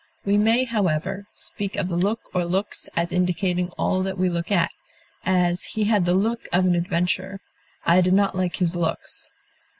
We may, however, speak of the look or looks as indicating all that we look at; as, he had the look of an adventurer; I did not like his looks.